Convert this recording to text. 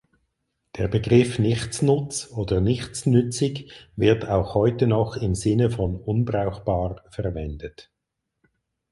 Der Begriff "Nichtsnutz" oder "nichtsnützig" wird auch heute noch im Sinne von "unbrauchbar" verwendet.